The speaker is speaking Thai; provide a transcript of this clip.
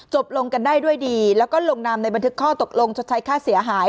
ลงกันได้ด้วยดีแล้วก็ลงนามในบันทึกข้อตกลงชดใช้ค่าเสียหาย